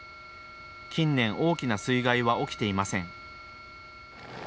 近年、大きな水害は起きていません。